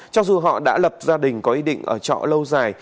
cho dù họ đã lập gia đình có ý định ở trọ lâu dài